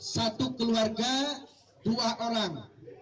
satu keluarga dua orang